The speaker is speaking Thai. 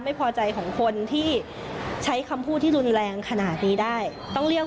ไม่พอใจของคนที่ใช้คำพูดที่รุนแรงขนาดนี้ได้ต้องเลี่ยง